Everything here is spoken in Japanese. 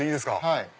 はい。